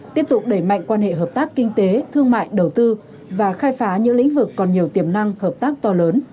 tiếp tục đẩy mạnh quan hệ hợp tác kinh tế thương mại đầu tư và khai phá những lĩnh vực còn nhiều tiềm năng hợp tác to lớn